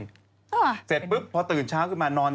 แล้วปุ๊บเสร็จเป้าะพอตื่นเช้าเข้ามา